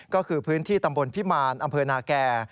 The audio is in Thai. ก็คือพื้นที่ตำบลพิมารอำเภอนาแก่